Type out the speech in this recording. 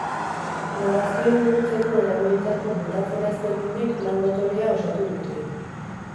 Narrazioa burutzeko erabilitako metafora ezberdinek lan dotorea osatu dute.